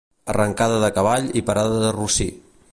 Arrancada de cavall i parada de rossí.